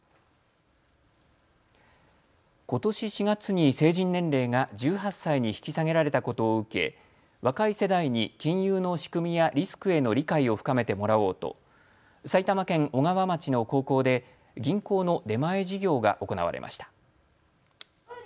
ことし４月に成人年齢が１８歳に引き下げられたことを受け、若い世代に金融の仕組みやリスクへの理解を深めてもらおうと、埼玉県小川町の高校で、銀行の出前授業が行われました。